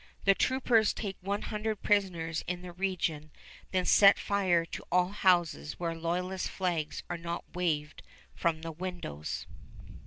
The troopers take one hundred prisoners in the region, then set fire to all houses where loyalist flags are not waved from the windows.